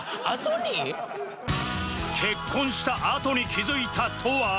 「結婚したあとに気づいた」とは？